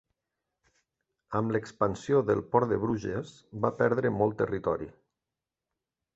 Amb l'expansió del port de Bruges va perdre molt territori.